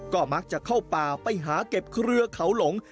ก็มักจะเข้าป่าไปหาเก็บเครือเขาหลง